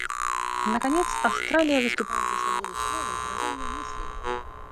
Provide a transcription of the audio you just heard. Наконец, Австралия выступает за свободу слова и выражения мыслей.